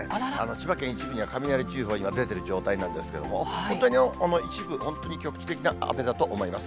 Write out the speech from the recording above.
千葉県、一部には雷注意報、今、出てる状態なんですけども、本当に一部、本当に局地的な雨だと思います。